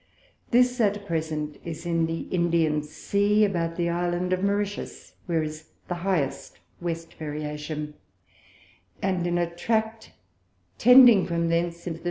This, at present, is in the Indian Sea, about the Island Mauritius, where is the highest West Variation, and in a Tract tending from thence into the N.